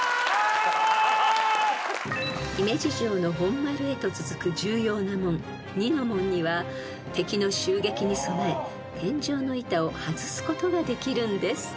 ［姫路城の本丸へと続く重要な門にノ門には敵の襲撃に備え天井の板を外すことができるんです］